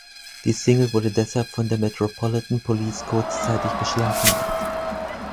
Die Single wurde deshalb von der Metropolitan Police kurzzeitig beschlagnahmt.